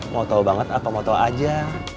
mau tau banget apa mau tau aja